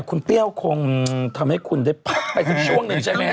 คุณเปรี้ยวคงทำให้คุณได้พักไปถึงช่วงหนึ่งใช่ไหมฮ